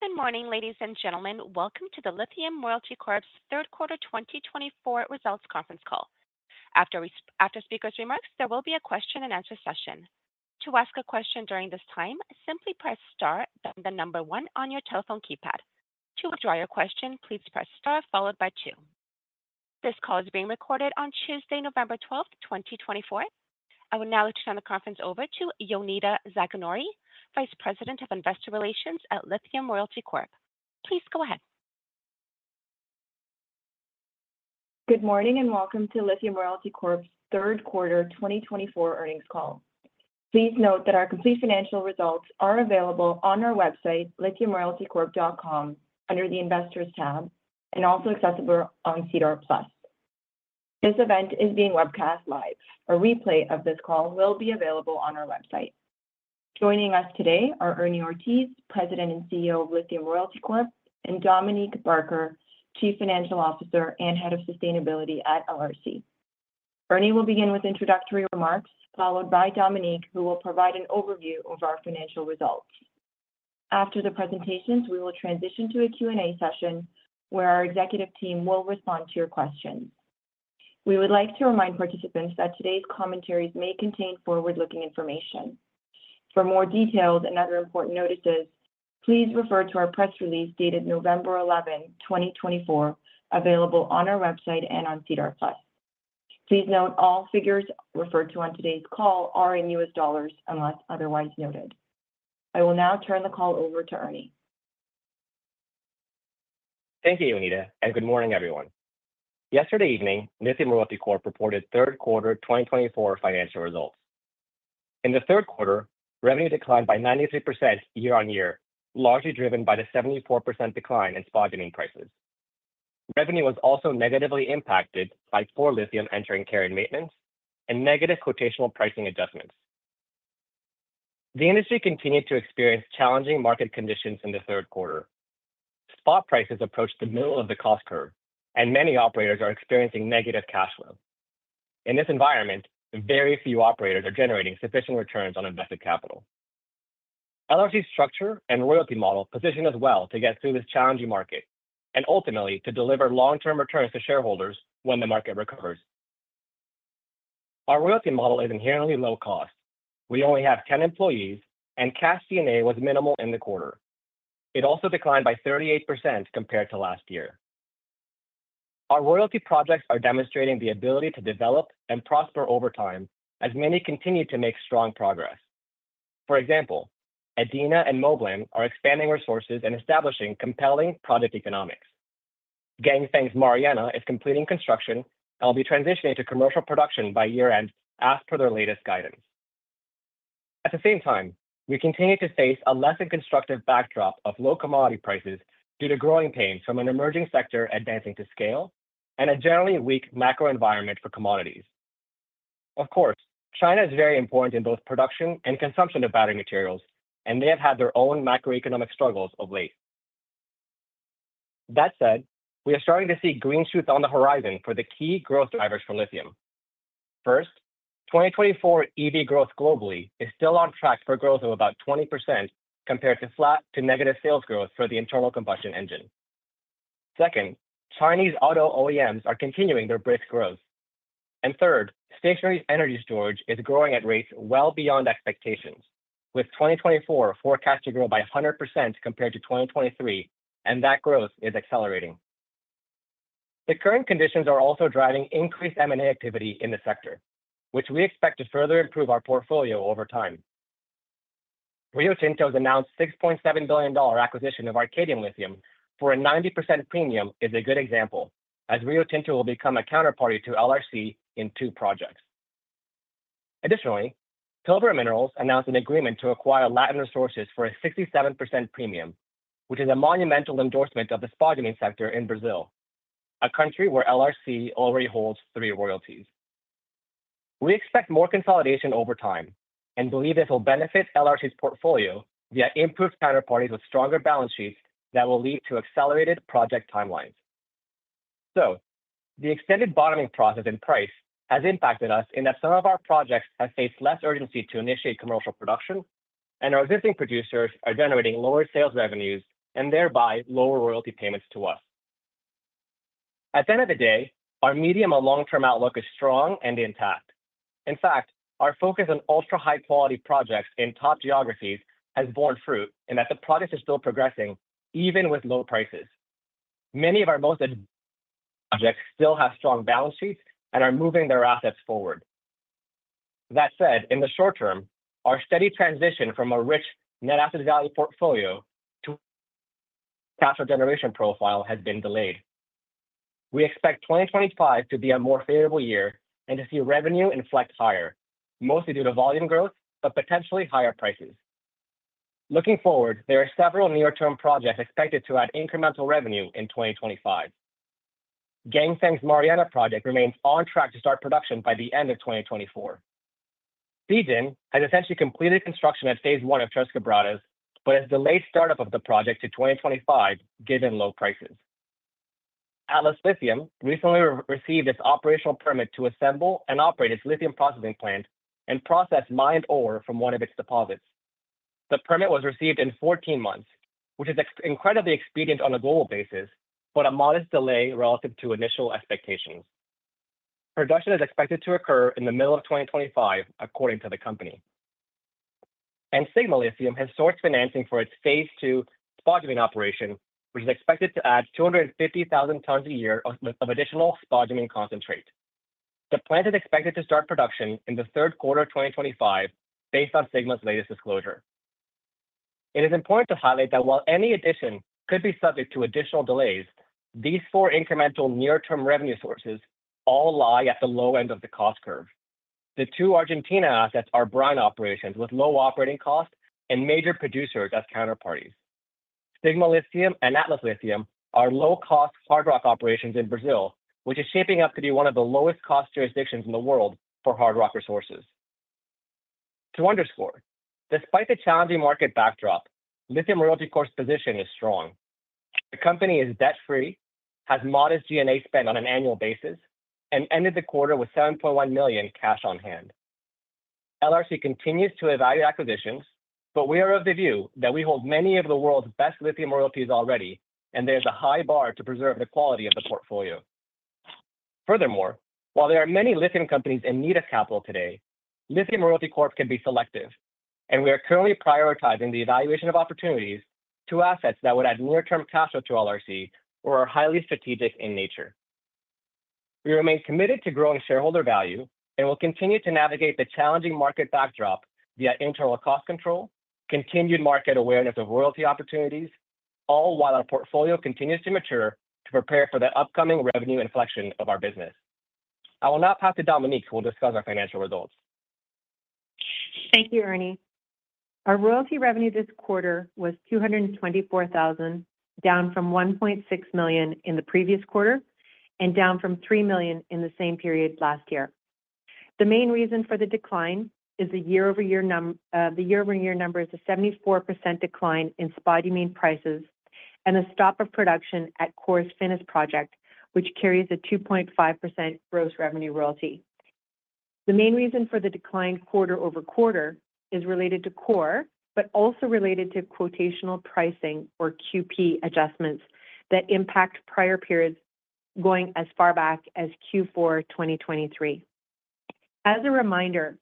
Good morning, ladies and gentlemen. Welcome to the Lithium Royalty Corp's third quarter 2024 results conference call. After speakers' remarks, there will be a question-and-answer session. To ask a question during this time, simply press star, then the number one on your telephone keypad. To withdraw your question, please press star followed by two. This call is being recorded on Tuesday, November 12th, 2024. I will now turn the conference over to Jonida Zaganjori, Vice President of Investor Relations at Lithium Royalty Corp. Please go ahead. Good morning and welcome to Lithium Royalty Corp's third quarter 2024 earnings call. Please note that our complete financial results are available on our website, lithiumroyaltycorp.com, under the Investors tab, and also accessible on SEDAR+. This event is being webcast live. A replay of this call will be available on our website. Joining us today are Ernie Ortiz, President and CEO of Lithium Royalty Corp, and Dominique Barker, Chief Financial Officer and Head of Sustainability at LRC. Ernie will begin with introductory remarks followed by Dominique, who will provide an overview of our financial results. After the presentations, we will transition to a Q&A session where our executive team will respond to your questions. We would like to remind participants that today's commentaries may contain forward-looking information. For more details and other important notices, please refer to our press release dated November 11, 2024, available on our website and on SEDAR+. Please note all figures referred to on today's call are in U.S. dollars unless otherwise noted. I will now turn the call over to Ernie. Thank you, Jonida, and good morning, everyone. Yesterday evening, Lithium Royalty Corp. reported third quarter 2024 financial results. In the third quarter, revenue declined by 93% year-on-year, largely driven by the 74% decline in spot spodumene prices. Revenue was also negatively impacted by Core Lithium entering care and maintenance and negative quotational pricing adjustments. The industry continued to experience challenging market conditions in the third quarter. Spot prices approached the middle of the cost curve, and many operators are experiencing negative cash flow. In this environment, very few operators are generating sufficient returns on invested capital. LRC's structure and royalty model positions us well to get through this challenging market and ultimately to deliver long-term returns to shareholders when the market recovers. Our royalty model is inherently low cost. We only have 10 employees, and cash G&A was minimal in the quarter. It also declined by 38% compared to last year. Our royalty projects are demonstrating the ability to develop and prosper over time as many continue to make strong progress. For example, Adina and Moblan are expanding resources and establishing compelling project economics. Ganfeng's Mariana is completing construction and will be transitioning to commercial production by year-end as per their latest guidance. At the same time, we continue to face a less than constructive backdrop of low commodity prices due to growing pains from an emerging sector advancing to scale and a generally weak macro environment for commodities. Of course, China is very important in both production and consumption of battery materials, and they have had their own macroeconomic struggles of late. That said, we are starting to see green shoots on the horizon for the key growth drivers for lithium. First, 2024 EV growth globally is still on track for growth of about 20% compared to flat to negative sales growth for the internal combustion engine. Second, Chinese auto OEMs are continuing their brisk growth. And third, stationary energy storage is growing at rates well beyond expectations, with 2024 forecast to grow by 100% compared to 2023, and that growth is accelerating. The current conditions are also driving increased M&A activity in the sector, which we expect to further improve our portfolio over time. Rio Tinto's announced $6.7 billion acquisition of Arcadium Lithium for a 90% premium is a good example, as Rio Tinto will become a counterparty to LRC in two projects. Additionally, Pilbara Minerals announced an agreement to acquire Latin Resources for a 67% premium, which is a monumental endorsement of the spodumene sector in Brazil, a country where LRC already holds three royalties. We expect more consolidation over time and believe this will benefit LRC's portfolio via improved counterparties with stronger balance sheets that will lead to accelerated project timelines, so the extended bottoming process in price has impacted us in that some of our projects have faced less urgency to initiate commercial production, and our existing producers are generating lower sales revenues and thereby lower royalty payments to us. At the end of the day, our medium and long-term outlook is strong and intact. In fact, our focus on ultra-high-quality projects in top geographies has borne fruit in that the projects are still progressing even with low prices. Many of our most advanced projects still have strong balance sheets and are moving their assets forward. That said, in the short term, our steady transition from a rich net asset value portfolio to a cash flow generation profile has been delayed. We expect 2025 to be a more favorable year and to see revenue inflect higher, mostly due to volume growth, but potentially higher prices. Looking forward, there are several near-term projects expected to add incremental revenue in 2025. Ganfeng's Mariana project remains on track to start production by the end of 2024. Zijin has essentially completed construction at phase one of Tres Quebradas, but has delayed startup of the project to 2025 given low prices. Atlas Lithium recently received its operational permit to assemble and operate its lithium processing plant and process mined ore from one of its deposits. The permit was received in 14 months, which is incredibly expedient on a global basis, but a modest delay relative to initial expectations. Production is expected to occur in the middle of 2025, according to the company. Sigma Lithium has sourced financing for its phase two spodumene operation, which is expected to add 250,000 tons a year of additional spodumene concentrate. The plant is expected to start production in the third quarter of 2025 based on Sigma's latest disclosure. It is important to highlight that while any addition could be subject to additional delays, these four incremental near-term revenue sources all lie at the low end of the cost curve. The two Argentina assets are brine operations with low operating cost and major producers as counterparties. Sigma Lithium and Atlas Lithium are low-cost hard rock operations in Brazil, which is shaping up to be one of the lowest-cost jurisdictions in the world for hard rock resources. To underscore, despite the challenging market backdrop, Lithium Royalty Corp's position is strong. The company is debt-free, has modest G&A spend on an annual basis, and ended the quarter with $7.1 million cash on hand. LRC continues to evaluate acquisitions, but we are of the view that we hold many of the world's best lithium royalties already, and there is a high bar to preserve the quality of the portfolio. Furthermore, while there are many lithium companies in need of capital today, Lithium Royalty Corp can be selective, and we are currently prioritizing the evaluation of opportunities to assets that would add near-term cash flow to LRC or are highly strategic in nature. We remain committed to growing shareholder value and will continue to navigate the challenging market backdrop via internal cost control, continued market awareness of royalty opportunities, all while our portfolio continues to mature to prepare for the upcoming revenue inflection of our business. I will now pass to Dominique, who will discuss our financial results. Thank you, Ernie. Our royalty revenue this quarter was $224,000, down from $1.6 million in the previous quarter and down from $3 million in the same period last year. The main reason for the decline is the year-over-year number. The year-over-year number is a 74% decline in spodumene prices and the stop of production at Core's Finniss project, which carries a 2.5% gross revenue royalty. The main reason for the decline quarter over quarter is related to Core, but also related to quotational pricing or QP adjustments that impact prior periods going as far back as Q4 2023. As a reminder,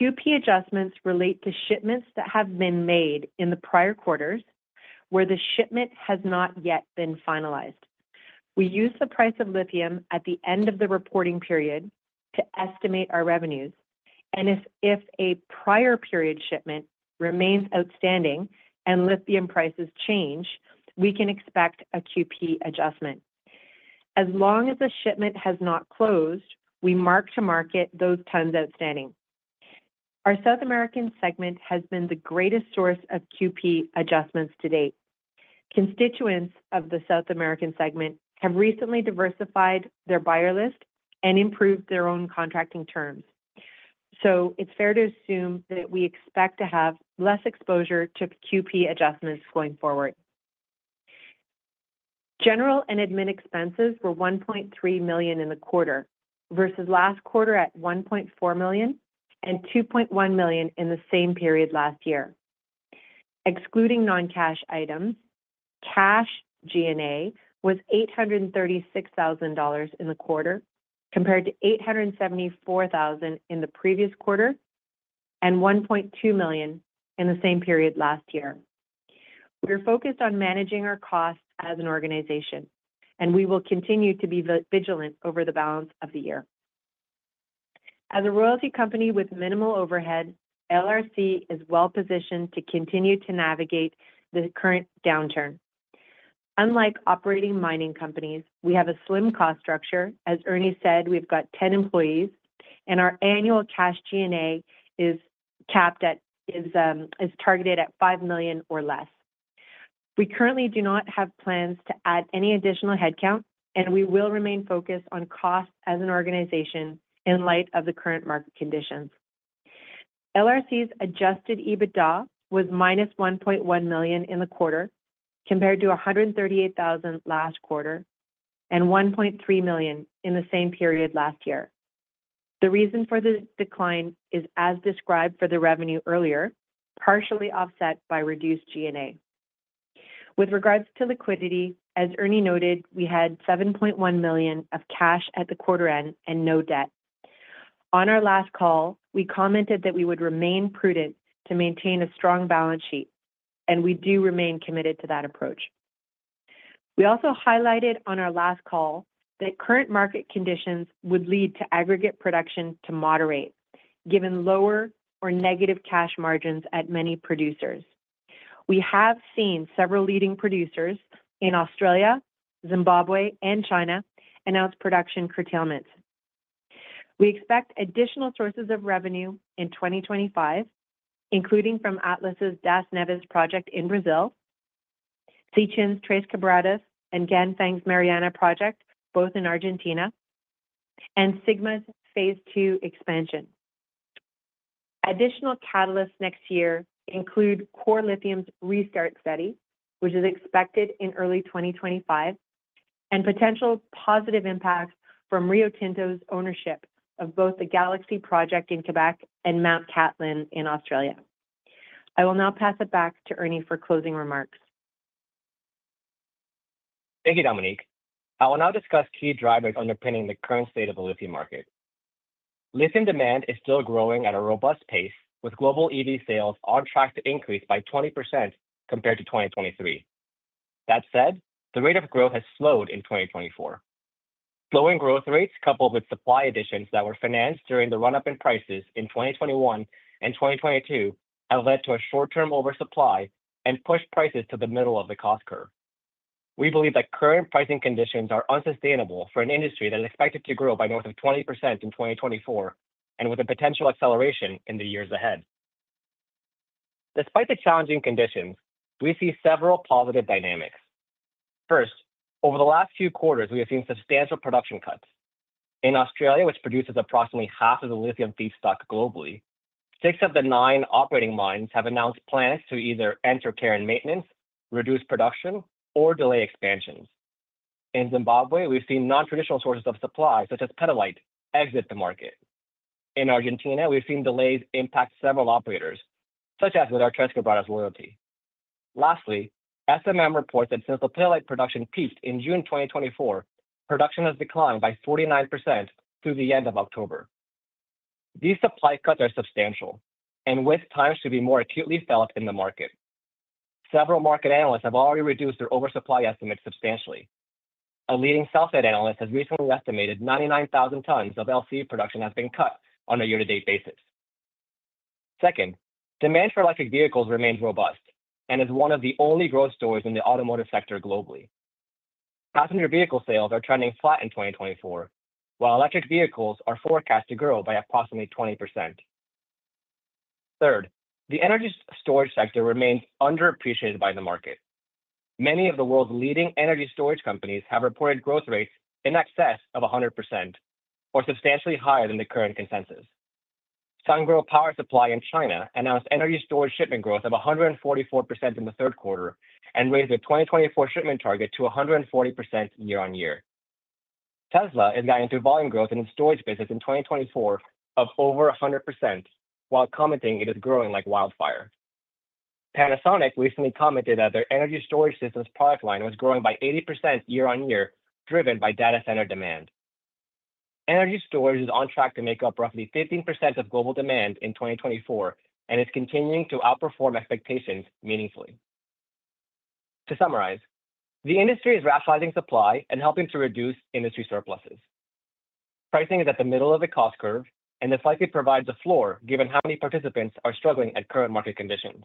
QP adjustments relate to shipments that have been made in the prior quarters where the shipment has not yet been finalized. We use the price of lithium at the end of the reporting period to estimate our revenues, and if a prior period shipment remains outstanding and lithium prices change, we can expect a QP adjustment. As long as the shipment has not closed, we mark to market those tons outstanding. Our South American segment has been the greatest source of QP adjustments to date. Constituents of the South American segment have recently diversified their buyer list and improved their own contracting terms. So it's fair to assume that we expect to have less exposure to QP adjustments going forward. General and admin expenses were $1.3 million in the quarter versus last quarter at $1.4 million and $2.1 million in the same period last year. Excluding non-cash items, cash G&A was $836,000 in the quarter compared to $874,000 in the previous quarter and $1.2 million in the same period last year. We are focused on managing our costs as an organization, and we will continue to be vigilant over the balance of the year. As a royalty company with minimal overhead, LRC is well positioned to continue to navigate the current downturn. Unlike operating mining companies, we have a slim cost structure. As Ernie said, we've got 10 employees, and our annual cash G&A is targeted at $5 million or less. We currently do not have plans to add any additional headcount, and we will remain focused on costs as an organization in light of the current market conditions. LRC's adjusted EBITDA was minus $1.1 million in the quarter compared to $138,000 last quarter and $1.3 million in the same period last year. The reason for the decline is, as described for the revenue earlier, partially offset by reduced G&A. With regards to liquidity, as Ernie noted, we had $7.1 million of cash at the quarter end and no debt. On our last call, we commented that we would remain prudent to maintain a strong balance sheet, and we do remain committed to that approach. We also highlighted on our last call that current market conditions would lead to aggregate production to moderate given lower or negative cash margins at many producers. We have seen several leading producers in Australia, Zimbabwe, and China announce production curtailments. We expect additional sources of revenue in 2025, including from Atlas's Das Neves project in Brazil, Zijin's Tres Quebradas and Ganfeng's Mariana project, both in Argentina, and Sigma's phase two expansion. Additional catalysts next year include Core Lithium's restart study, which is expected in early 2025, and potential positive impacts from Rio Tinto's ownership of both the Galaxy project in Quebec and Mt. Cattlin in Australia. I will now pass it back to Ernie for closing remarks. Thank you, Dominique. I will now discuss key drivers underpinning the current state of the lithium market. Lithium demand is still growing at a robust pace, with global EV sales on track to increase by 20% compared to 2023. That said, the rate of growth has slowed in 2024. Slowing growth rates, coupled with supply additions that were financed during the run-up in prices in 2021 and 2022, have led to a short-term oversupply and pushed prices to the middle of the cost curve. We believe that current pricing conditions are unsustainable for an industry that is expected to grow by north of 20% in 2024 and with a potential acceleration in the years ahead. Despite the challenging conditions, we see several positive dynamics. First, over the last few quarters, we have seen substantial production cuts. In Australia, which produces approximately half of the lithium feedstock globally, six of the nine operating mines have announced plans to either enter care and maintenance, reduce production, or delay expansions. In Zimbabwe, we've seen non-traditional sources of supply such as petalite exit the market. In Argentina, we've seen delays impact several operators, such as with our Tres Quebradas Royalty. Lastly, SMM reports that since the petalite production peaked in June 2024, production has declined by 49% through the end of October. These supply cuts are substantial, and with times to be more acutely felt in the market. Several market analysts have already reduced their oversupply estimates substantially. A leading sell-side analyst has recently estimated 99,000 tons of LCE production has been cut on a year-to-date basis. Second, demand for electric vehicles remains robust and is one of the only growth stories in the automotive sector globally. Passenger vehicle sales are trending flat in 2024, while electric vehicles are forecast to grow by approximately 20%. Third, the energy storage sector remains underappreciated by the market. Many of the world's leading energy storage companies have reported growth rates in excess of 100% or substantially higher than the current consensus. Sungrow Power Supply in China announced energy storage shipment growth of 144% in the third quarter and raised their 2024 shipment target to 140% year-on-year. Tesla is guiding through volume growth in the storage business in 2024 of over 100%, while commenting it is growing like wildfire. Panasonic recently commented that their energy storage systems product line was growing by 80% year-on-year, driven by data center demand. Energy storage is on track to make up roughly 15% of global demand in 2024 and is continuing to outperform expectations meaningfully. To summarize, the industry is rationalizing supply and helping to reduce industry surpluses. Pricing is at the middle of the cost curve, and this likely provides a floor given how many participants are struggling at current market conditions.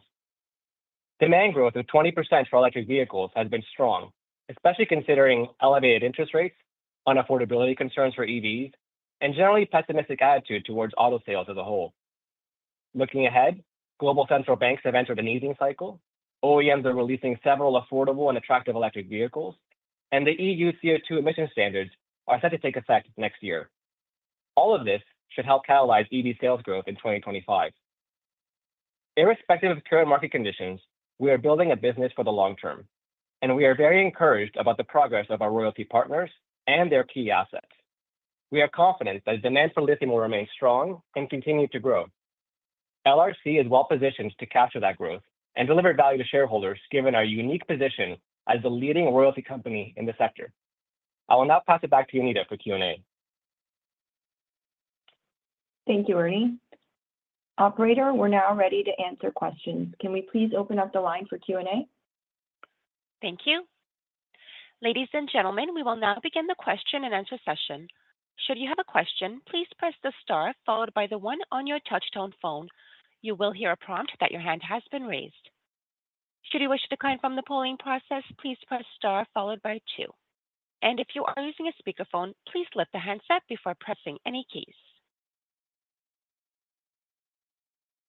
Demand growth of 20% for electric vehicles has been strong, especially considering elevated interest rates, unaffordability concerns for EVs, and generally pessimistic attitude towards auto sales as a whole. Looking ahead, global central banks have entered an easing cycle, OEMs are releasing several affordable and attractive electric vehicles, and the EU CO2 emission standards are set to take effect next year. All of this should help catalyze EV sales growth in 2025. Irrespective of current market conditions, we are building a business for the long term, and we are very encouraged about the progress of our royalty partners and their key assets. We are confident that demand for lithium will remain strong and continue to grow. LRC is well positioned to capture that growth and deliver value to shareholders given our unique position as the leading royalty company in the sector. I will now pass it back to Jonida for Q&A. Thank you, Ernie. Operator, we're now ready to answer questions. Can we please open up the line for Q&A? Thank you. Ladies and gentlemen, we will now begin the question and answer session. Should you have a question, please press the star followed by the one on your touch-tone phone. You will hear a prompt that your hand has been raised. Should you wish to decline from the polling process, please press star followed by two. And if you are using a speakerphone, please lift the handset before pressing any keys.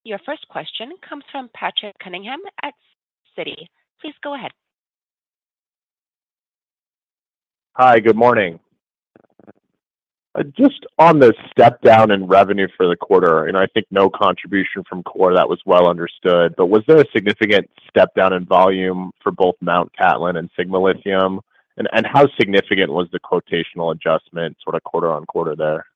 Your first question comes from Patrick Cunningham at Citi. Please go ahead. Hi, good morning. Just on the step down in revenue for the quarter, and I think no contribution from Core, that was well understood, but was there a significant step down in volume for both Mt Cattlin and Sigma Lithium, and how significant was the quotational adjustment sort of quarter on quarter there?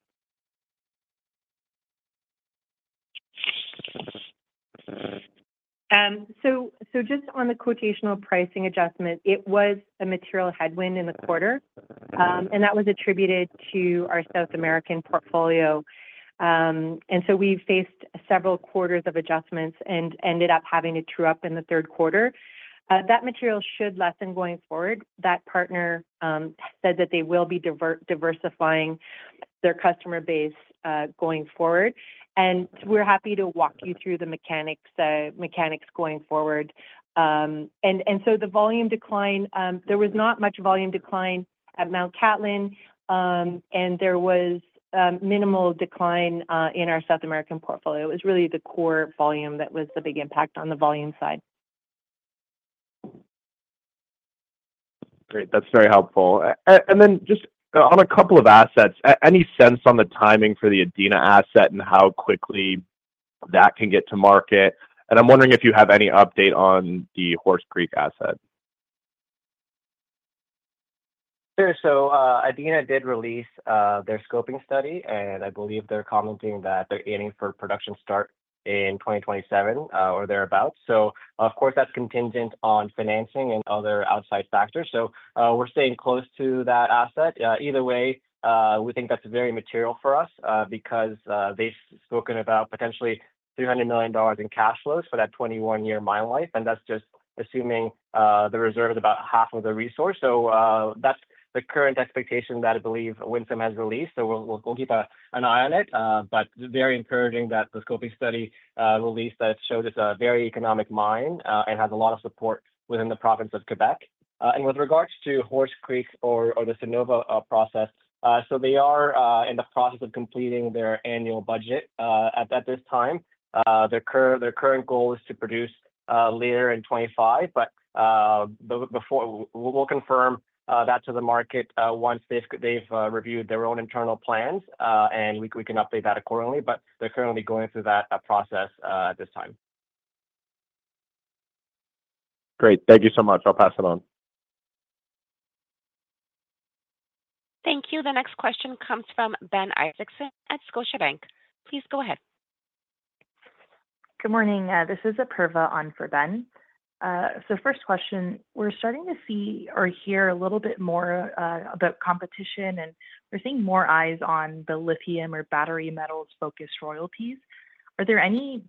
Just on the quotational pricing adjustment, it was a material headwind in the quarter, and that was attributed to our South American portfolio. We've faced several quarters of adjustments and ended up having to true up in the third quarter. That material should lessen going forward. That partner said that they will be diversifying their customer base going forward, and we're happy to walk you through the mechanics going forward. The volume decline, there was not much volume decline at Mt. Cattlin, and there was minimal decline in our South American portfolio. It was really the Core volume that was the big impact on the volume side. Great. That's very helpful. And then just on a couple of assets, any sense on the timing for the Adina asset and how quickly that can get to market? And I'm wondering if you have any update on the Horse Creek asset. Adina did release their scoping study, and I believe they're commenting that they're aiming for production start in 2027 or thereabouts. So of course, that's contingent on financing and other outside factors. So we're staying close to that asset. Either way, we think that's very material for us because they've spoken about potentially $300 million in cash flows for that 21-year mine life, and that's just assuming the reserve is about half of the resource. So that's the current expectation that I believe Winsome has released. So we'll keep an eye on it, but very encouraging that the scoping study released that it showed it's a very economic mine and has a lot of support within the province of Quebec. And with regards to Horse Creek or the Sinova process, so they are in the process of completing their annual budget at this time. Their current goal is to produce later in 2025, but we'll confirm that to the market once they've reviewed their own internal plans, and we can update that accordingly, but they're currently going through that process at this time. Great. Thank you so much. I'll pass it on. Thank you. The next question comes from Ben Isaacson at Scotiabank. Please go ahead. Good morning. This is Apurva on for Ben. So first question, we're starting to see or hear a little bit more about competition, and we're seeing more eyes on the lithium or battery metals-focused royalties. Are there any,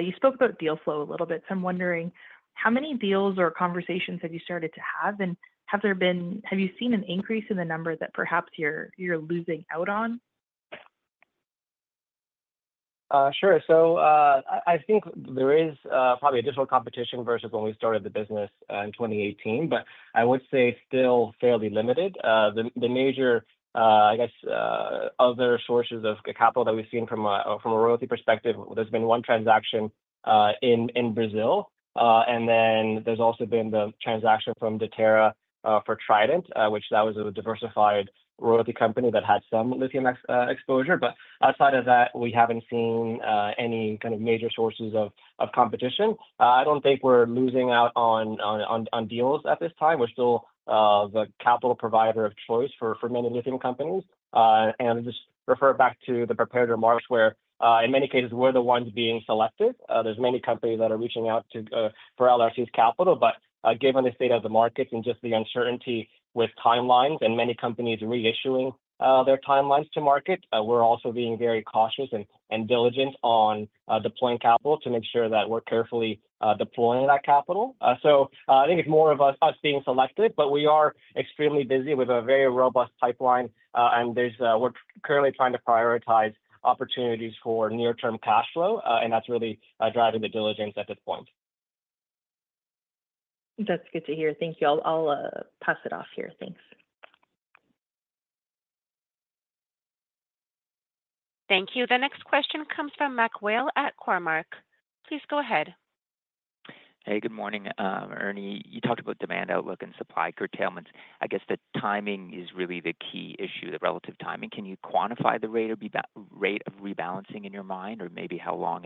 you spoke about deal flow a little bit, so I'm wondering how many deals or conversations have you started to have, and have you seen an increase in the number that perhaps you're losing out on? Sure. So I think there is probably additional competition versus when we started the business in 2018, but I would say still fairly limited. The major, I guess, other sources of capital that we've seen from a royalty perspective, there's been one transaction in Brazil, and then there's also been the transaction from Deterra for Trident, which that was a diversified royalty company that had some lithium exposure. But outside of that, we haven't seen any kind of major sources of competition. I don't think we're losing out on deals at this time. We're still the capital provider of choice for many lithium companies. And I'll just refer back to the prepared remarks where, in many cases, we're the ones being selected. There's many companies that are reaching out for LRC's capital, but given the state of the market and just the uncertainty with timelines and many companies reissuing their timelines to market, we're also being very cautious and diligent on deploying capital to make sure that we're carefully deploying that capital. So I think it's more of us being selected, but we are extremely busy. We have a very robust pipeline, and we're currently trying to prioritize opportunities for near-term cash flow, and that's really driving the diligence at this point. That's good to hear. Thank you. I'll pass it off here. Thanks. Thank you. The next question comes from Mac Whale at Cormark. Please go ahead. Hey, good morning. Ernie, you talked about demand outlook and supply curtailments. I guess the timing is really the key issue, the relative timing. Can you quantify the rate of rebalancing in your mind, or maybe how long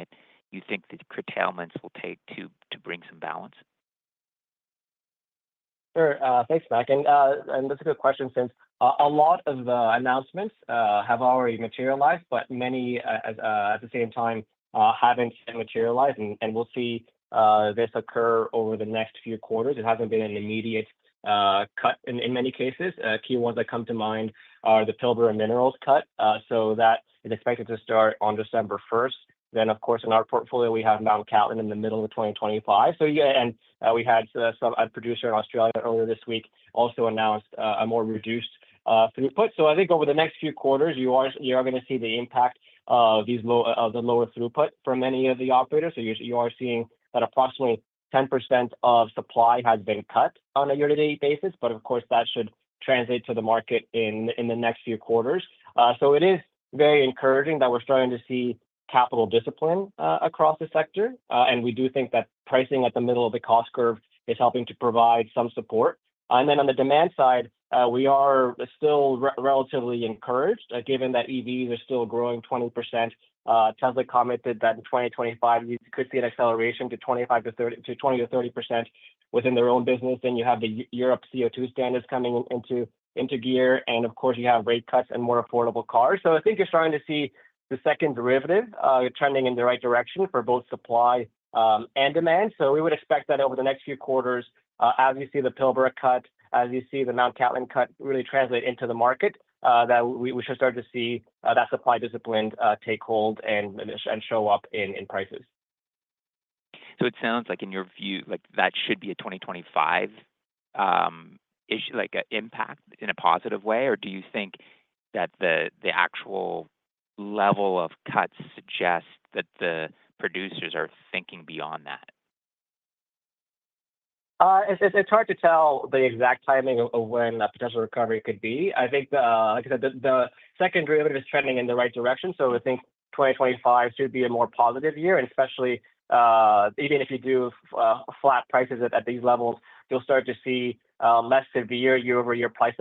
you think these curtailments will take to bring some balance? Sure. Thanks, Mac. And that's a good question since a lot of the announcements have already materialized, but many at the same time haven't materialized, and we'll see this occur over the next few quarters. It hasn't been an immediate cut in many cases. Key ones that come to mind are the Pilbara Minerals cut. So that is expected to start on December 1st. Then, of course, in our portfolio, we have Mt Cattlin in the middle of 2025. And we had some producer in Australia earlier this week also announced a more reduced throughput. So I think over the next few quarters, you are going to see the impact of the lower throughput for many of the operators. So you are seeing that approximately 10% of supply has been cut on a year-to-date basis, but of course, that should translate to the market in the next few quarters. So it is very encouraging that we're starting to see capital discipline across the sector, and we do think that pricing at the middle of the cost curve is helping to provide some support. And then on the demand side, we are still relatively encouraged given that EVs are still growing 20%. Tesla commented that in 2025, you could see an acceleration to 20%-30% within their own business, and you have the Europe CO2 standards coming into gear, and of course, you have rate cuts and more affordable cars. I think you're starting to see the second derivative trending in the right direction for both supply and demand. We would expect that over the next few quarters, as you see the Pilbara cut, as you see the Mt. Cattlin cut really translate into the market, that we should start to see that supply discipline take hold and show up in prices. It sounds like in your view, that should be a 2025 issue, like an impact in a positive way, or do you think that the actual level of cuts suggest that the producers are thinking beyond that? It's hard to tell the exact timing of when a potential recovery could be. I think, like I said, the second derivative is trending in the right direction. So I think 2025 should be a more positive year, and especially even if you do flat prices at these levels, you'll start to see less severe year-over-year price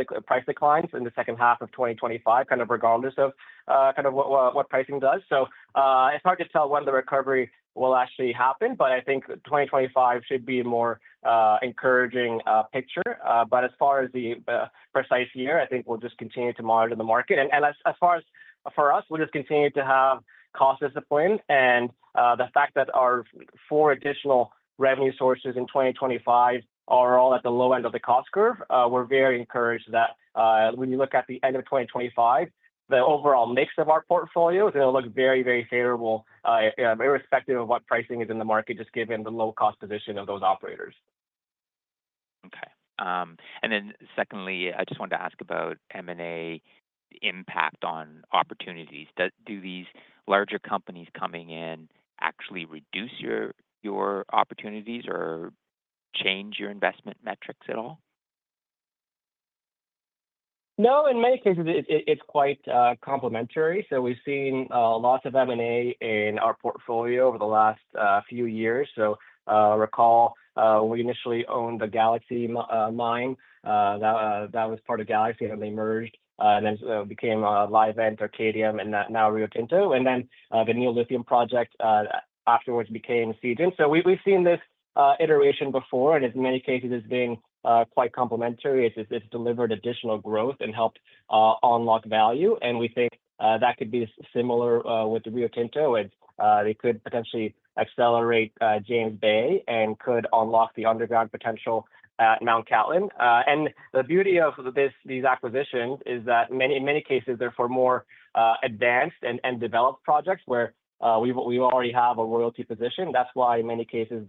declines in the second half of 2025, kind of regardless of kind of what pricing does. So it's hard to tell when the recovery will actually happen, but I think 2025 should be a more encouraging picture. But as far as the precise year, I think we'll just continue to monitor the market. And as far as for us, we'll just continue to have cost discipline and the fact that our four additional revenue sources in 2025 are all at the low end of the cost curve. We're very encouraged that when you look at the end of 2025, the overall mix of our portfolio is going to look very, very favorable irrespective of what pricing is in the market, just given the low-cost position of those operators. Okay. And then secondly, I just wanted to ask about M&A impact on opportunities. Do these larger companies coming in actually reduce your opportunities or change your investment metrics at all? No, in many cases, it's quite complementary. So we've seen lots of M&A in our portfolio over the last few years. So recall when we initially owned the Galaxy mine, that was part of Galaxy and then they merged and then became Livent Arcadium and now Rio Tinto. And then the Neo Lithium project afterwards became Zijin. So we've seen this iteration before, and in many cases, it's been quite complementary. It's delivered additional growth and helped unlock value. We think that could be similar with Rio Tinto. They could potentially accelerate James Bay and could unlock the underground potential at Mt Cattlin. The beauty of these acquisitions is that in many cases, they're for more advanced and developed projects where we already have a royalty position. That's why in many cases,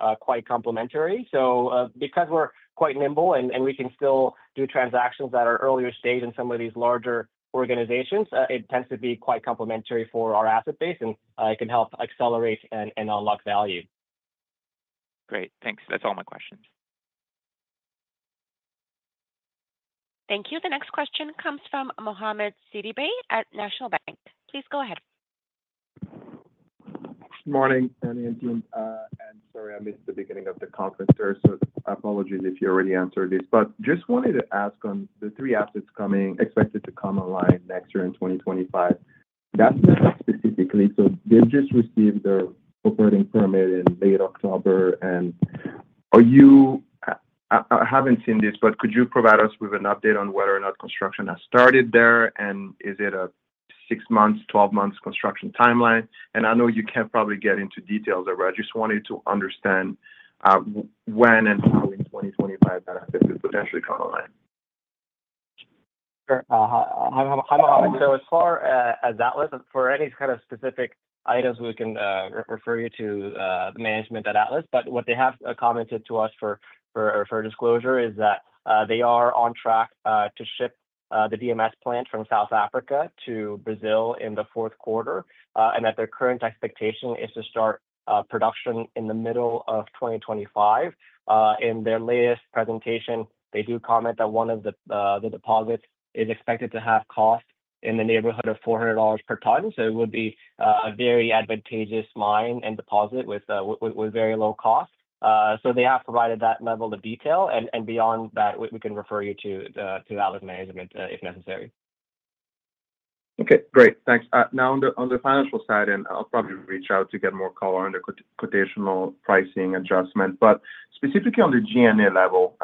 they're quite complementary. Because we're quite nimble and we can still do transactions that are earlier stage in some of these larger organizations, it tends to be quite complementary for our asset base, and it can help accelerate and unlock value. Great. Thanks. That's all my questions. Thank you. The next question comes from Mohamed Sidibe at National Bank. Please go ahead. Good morning, Ernie and Jonida. And sorry, I missed the beginning of the conference there, so apologies if you already answered this, but just wanted to ask on the three assets expected to come online next year in 2025. That's not specific. So they've just received their operating permit in late October. And I haven't seen this, but could you provide us with an update on whether or not construction has started there? And is it a six-month, 12-month construction timeline? And I know you can't probably get into details, but I just wanted to understand when and how in 2025 that asset could potentially come online. Sure. Hi Mohamed. So as far as Atlas, for any kind of specific items, we can refer you to the management at Atlas. But what they have commented to us for disclosure is that they are on track to ship the DMS plant from South Africa to Brazil in the fourth quarter, and that their current expectation is to start production in the middle of 2025. In their latest presentation, they do comment that one of the deposits is expected to have cost in the neighborhood of $400 per ton. So it would be a very advantageous mine and deposit with very low cost. So they have provided that level of detail. And beyond that, we can refer you to Atlas management if necessary. Okay. Great. Thanks. Now, on the financial side, and I'll probably reach out to get more color on the quotational pricing adjustment, but specifically on the G&A level,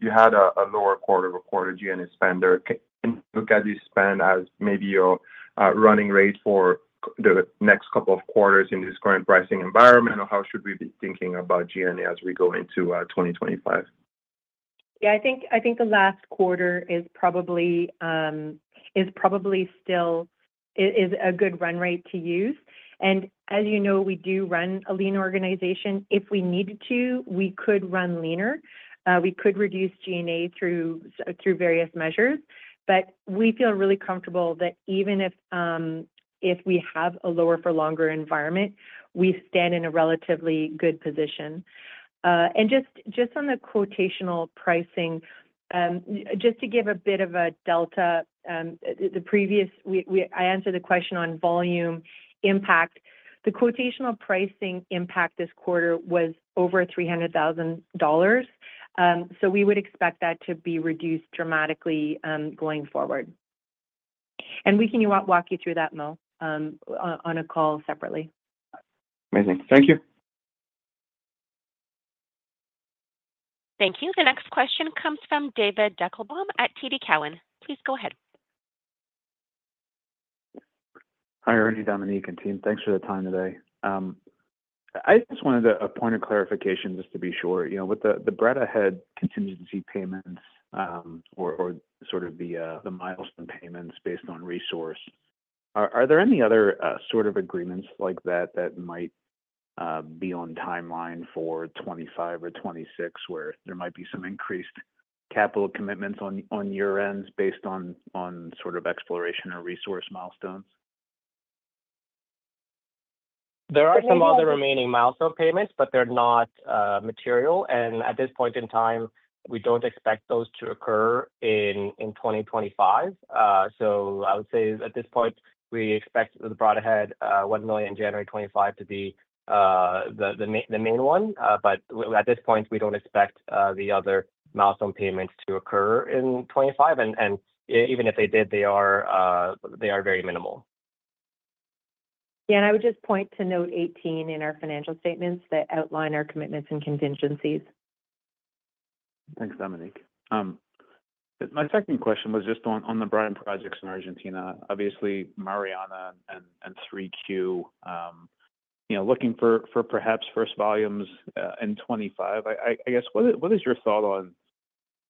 you had a lower quarter report of G&A spend there. Can you look at this spend as maybe your running rate for the next couple of quarters in this current pricing environment, or how should we be thinking about G&A as we go into 2025? Yeah, I think the last quarter is probably still a good run rate to use, and as you know, we do run a lean organization. If we needed to, we could run leaner. We could reduce G&A through various measures, but we feel really comfortable that even if we have a lower-for-longer environment, we stand in a relatively good position, and just on the quotational pricing, just to give a bit of a delta, I answered the question on volume impact. The quotational pricing impact this quarter was over $300,000. So we would expect that to be reduced dramatically going forward, and we can walk you through that, Mohamed, on a call separately. Amazing. Thank you. Thank you. The next question comes from David Deckelbaum at TD Cowen. Please go ahead. Hi, Ernie, Dominique, and team. Thanks for the time today. I just wanted a point of clarification just to be sure. With the Bradda Head, continued to see payments or sort of the milestone payments based on resource. Are there any other sort of agreements like that that might be on timeline for 2025 or 2026 where there might be some increased capital commitments on year-ends based on sort of exploration or resource milestones? There are some other remaining milestone payments, but they're not material. And at this point in time, we don't expect those to occur in 2025. So I would say at this point, we expect the Bradda Head $1 million in January 2025 to be the main one. But at this point, we don't expect the other milestone payments to occur in 2025. And even if they did, they are very minimal. Yeah. And I would just point to note 18 in our financial statements that outline our commitments and contingencies. Thanks, Dominique. My second question was just on the brine projects in Argentina. Obviously, Mariana and 3Q looking for perhaps first volumes in 2025. I guess, what is your thought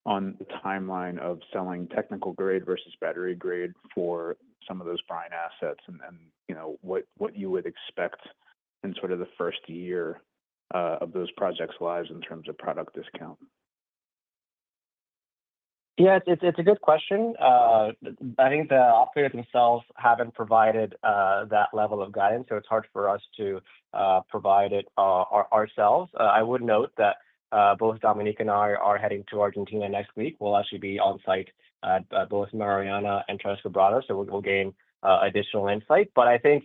on the timeline of selling technical grade versus battery grade for some of those brine assets and what you would expect in sort of the first year of those projects' lives in terms of product discount? Yeah, it's a good question. I think the operators themselves haven't provided that level of guidance, so it's hard for us to provide it ourselves. I would note that both Dominique and I are heading to Argentina next week. We'll actually be on site at both Mariana and Tres Quebradas, so we'll gain additional insight. But I think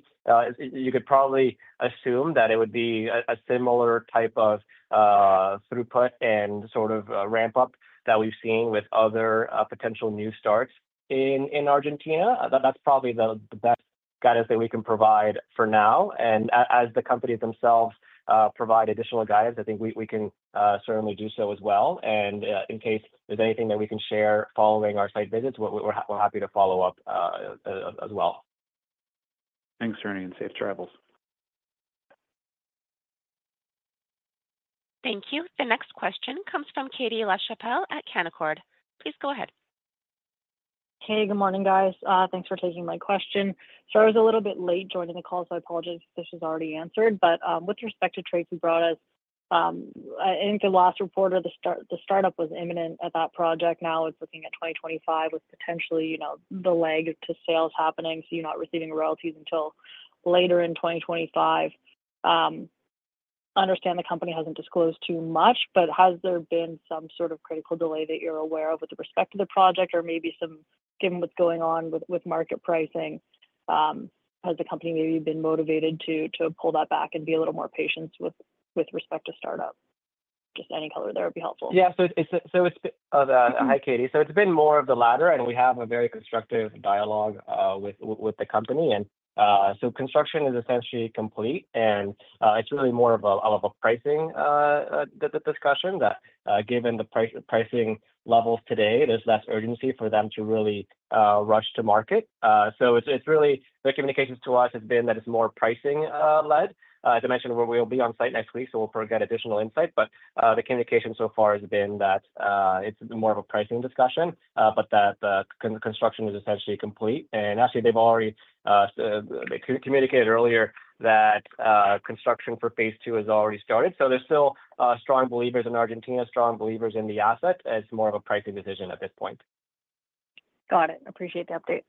you could probably assume that it would be a similar type of throughput and sort of ramp-up that we've seen with other potential new starts in Argentina. That's probably the best guidance that we can provide for now. And as the companies themselves provide additional guidance, I think we can certainly do so as well. And in case there's anything that we can share following our site visits, we're happy to follow up as well. Thanks, Ernie, and safe travels. Thank you. The next question comes from Katie Lachapelle at Canaccord. Please go ahead. Hey, good morning, guys. Thanks for taking my question. So I was a little bit late joining the call, so I apologize if this was already answered. But with respect to Tres Quebradas, I think the last report on the startup was imminent at that project. Now it's looking at 2025 with potentially the lag to sales happening, so you're not receiving royalties until later in 2025. I understand the company hasn't disclosed too much, but has there been some sort of critical delay that you're aware of with respect to the project or maybe some, given what's going on with market pricing, has the company maybe been motivated to pull that back and be a little more patient with respect to startup? Just any color there would be helpful. Yeah. Hi, Katie. So it's been more of the latter, and we have a very constructive dialogue with the company. And so construction is essentially complete, and it's really more of a pricing discussion that, given the pricing levels today, there's less urgency for them to really rush to market. So the communications to us have been that it's more pricing-led. As I mentioned, we'll be on site next week, so we'll get additional insight. But the communication so far has been that it's more of a pricing discussion, but that construction is essentially complete. And actually, they've already communicated earlier that construction for phase two has already started. So we're still strong believers in Argentina, strong believers in the asset. It's more of a pricing decision at this point. Got it. Appreciate the update.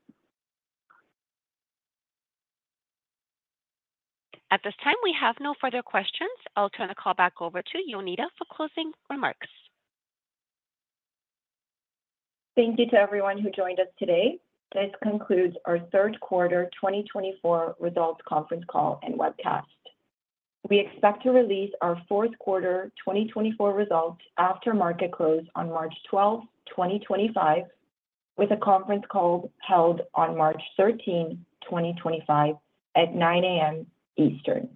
At this time, we have no further questions. I'll turn the call back over to Jonida for closing remarks. Thank you to everyone who joined us today. This concludes our third quarter 2024 results conference call and webcast. We expect to release our fourth quarter 2024 results after market close on March 12th, 2025, with a conference call held on March 13th, 2025 at 9:00 A.M. Eastern.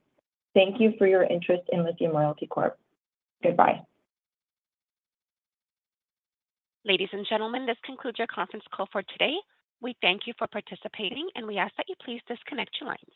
Thank you for your interest in Lithium Royalty Corp. Goodbye. Ladies and gentlemen, this concludes your conference call for today. We thank you for participating, and we ask that you please disconnect your lines.